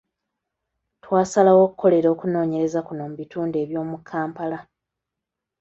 Twasalawo okukolera okunoonyereza kuno mu bitundu eby’omu Kampala.